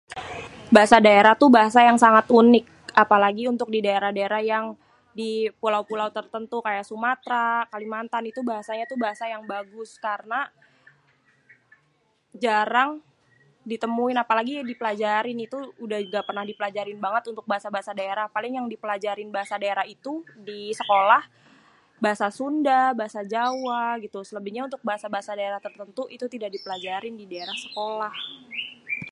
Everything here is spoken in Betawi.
Bahasa daerah tu bahasa yang sangat unik, apalagi untuk di daerah-daerah yang di pulau-pulau tertentu kayak Sumatra, Kalimantan itu bahasanya tu bahasa yang bagus, karena jarang ditemuin apalagi dipelajarin itu, udah ngga pernah dipelajarin banget untuk bahasa-bahasa daerah. Paling yang dipelajarin bahasa daerah itu di sekolah bahasa Sunda, bahasa Jawa gitu. Selebihnya untuk bahasa daerah-daerah tertentu itu tidak dipelajarin di daerah sekolah.